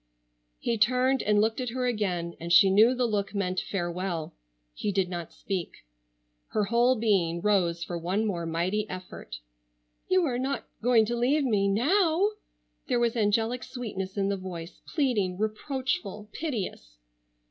He turned and looked at her again and she knew the look meant farewell. He did not speak. Her whole being rose for one more mighty effort. "You are not going to leave me—now?" There was angelic sweetness in the voice, pleading, reproachful, piteous.